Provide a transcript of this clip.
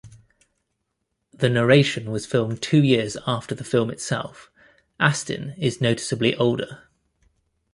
The narration was filmed two years after the film itself; Astin is noticeably older.